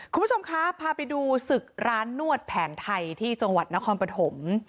คุณผู้ชมคะพาไปดูศึกร้านนวดแผนไทยที่จังหวัดนครปฐม